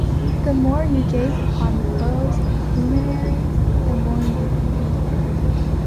The more you gaze upon those luminaries, the more you behold.